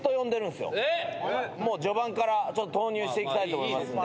序盤から投入していきたいと思いますんで。